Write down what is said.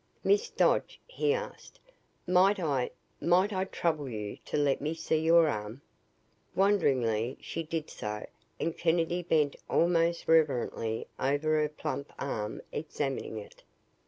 "Miss Dodge," he asked, "might I might I trouble you to let me see your arm?" Wonderingly she did so and Kennedy bent almost reverently over her plump arm examining it.